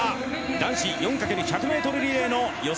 男子４かける１００ｍリレーの予選